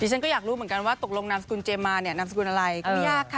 ฉันก็อยากรู้เหมือนกันว่าตกลงนามสกุลเจมมาเนี่ยนามสกุลอะไรก็ไม่ยากค่ะ